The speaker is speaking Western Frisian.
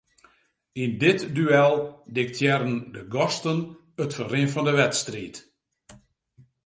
Yn dit duel diktearren de gasten it ferrin fan 'e wedstriid.